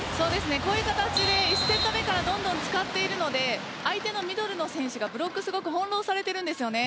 こういう形で１セット目からどんどん使っているので相手のミドルの選手がブロック翻弄されているんですよね。